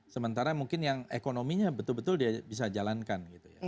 sementara mungkin yang ekonominya betul betul dia bisa jalankan